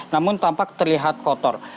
namun tampak terlihat kotor